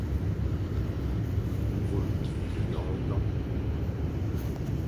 Mvul, loñ ton.